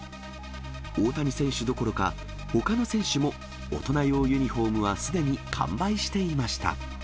大谷選手どころか、ほかの選手も、大人用ユニホームはすでに完売していました。